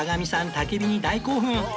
焚き火に大興奮